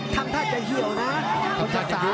ท่านถ้าจะเหี่ยวนะโคชศาสตร์